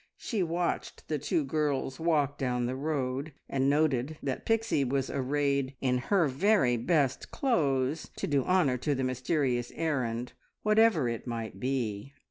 She watched the two girls walk down the road, and noted that Pixie was arrayed in her very best clothes to do honour to the mysterious errand, whatever it might be.